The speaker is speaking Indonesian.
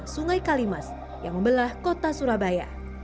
sungai kalimas yang membelah kota surabaya